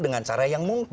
dengan cara yang mungkal